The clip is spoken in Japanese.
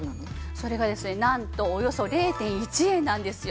それがですねなんとおよそ０．１円なんですよ。